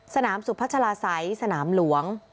สนามสุพัชลาไซสนามหลวง